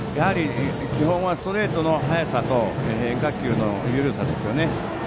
基本はストレートの速さと変化球の緩さですよね。